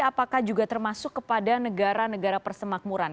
apakah juga termasuk kepada negara negara persemakmuran